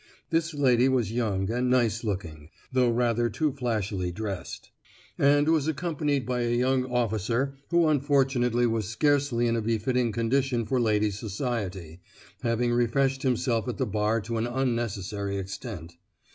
This lady was young and nice looking, though rather too flashily dressed, and was accompanied by a young officer who unfortunately was scarcely in a befitting condition for ladies' society, having refreshed himself at the bar to an unnecessary extent.